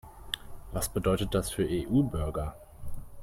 Was bedeutet das für EU-Bürger?